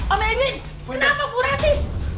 ami ini kenapa kurang di